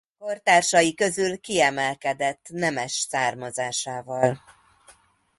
Kortársai közül kiemelkedett nemes származásával.